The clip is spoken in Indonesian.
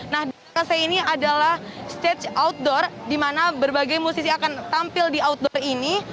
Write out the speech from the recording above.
nah di belakang saya ini adalah stage outdoor di mana berbagai musisi akan tampil di outdoor ini